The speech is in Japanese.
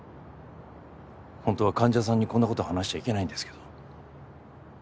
本当は患者さんにこんな事を話しちゃいけないんですけど。